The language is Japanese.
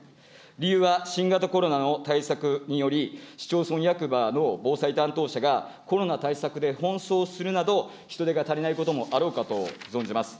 理由は新型コロナの対策により、市町村役場の防災担当者が、コロナ対策で奔走するなど、人手が足りないこともあろうかと存じます。